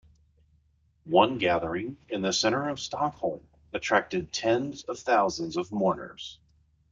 One gathering, in the centre of Stockholm, attracted tens of thousands of mourners.